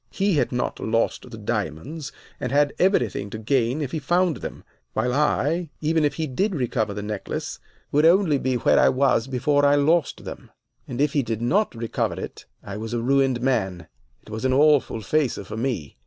He had not lost the diamonds, and had everything to gain if he found them; while I, even if he did recover the necklace, would only be where I was before I lost them, and if he did not recover it I was a ruined man. It was an awful facer for me.